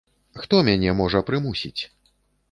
Хто мяне можа прымусіць?